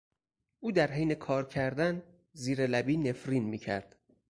او در حین کار کردن، زیر لبی نفرین میکرد.